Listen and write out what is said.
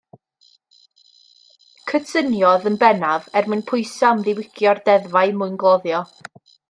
Cydsyniodd, yn bennaf er mwyn pwyso am ddiwygio'r deddfau mwyngloddio.